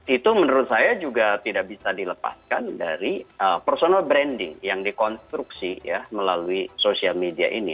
itu menurut saya juga tidak bisa dilepaskan dari personal branding yang dikonstruksi ya melalui sosial media ini